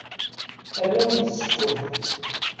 Arraw n tsekkurt.